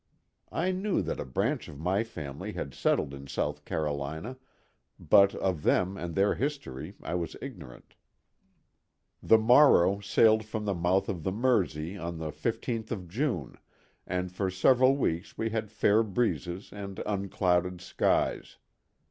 I knew that a branch of my family had settled in South Carolina, but of them and their history I was ignorant. The Morrow sailed from the mouth of the Mersey on the 15th of June and for several weeks we had fair breezes and unclouded skies.